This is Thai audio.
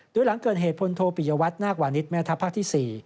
โดยหลังเกิดเหตุพลโทปิยวัตนาควานิสแม่ทัพภาคที่๔